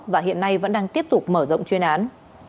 và hiện nay vẫn đang tiếp tục mở rộng chuyên án